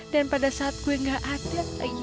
dan pada saat gue gak ada